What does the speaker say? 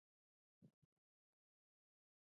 سرحدونه د افغانستان د بڼوالۍ برخه ده.